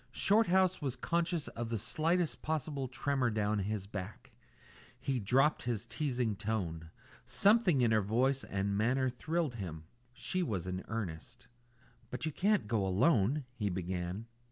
Shorthouse was conscious of the slightest possible tremor down his back. He dropped his teasing tone. Something in her voice and manner thrilled him. She was in earnest. "But you can't go alone " he began.